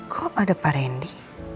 kok ada pak rendy